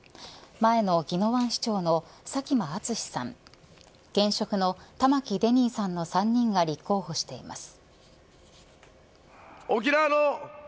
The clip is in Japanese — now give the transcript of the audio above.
前の宜野湾市長の佐喜真淳さん現職の玉城デニーさんの３人が立候補しています。